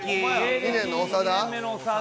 ２年目の長田。